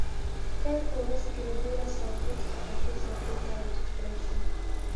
کار په ورځ کې له دولس ساعتو څخه اتو ساعتو ته راټیټ کړای شو.